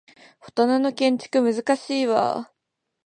フォトナの建築難しいわ